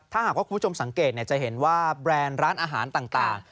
ถ้าหากว่าคุณผู้ชมสังเกตจะเห็นว่าแบรนด์ร้านอาหารต่าง